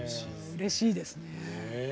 うれしいですね。